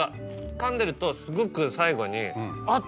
噛んでるとすごく最後にあっ！